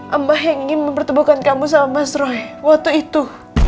mbah yang ingin mempertemukan kamu sama mas roy waktu itu